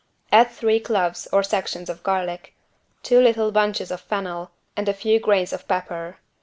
Add three cloves (or sections) of garlic, two little bunches of fennel and a few grains of pepper.